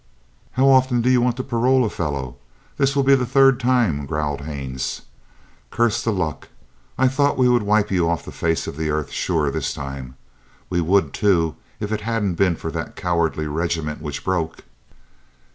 "How often do you want to parole a fellow? This will be the third time," growled Haines. "Curse the luck. I thought we would wipe you off the face of the earth sure this time. We would, too, if it hadn't been for that cowardly regiment which broke."